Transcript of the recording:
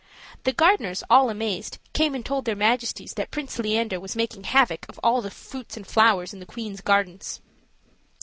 The gardeners, all amazed, came and told their majesties that Prince Leander was making havoc of all the fruits and flowers in the queen's gardens.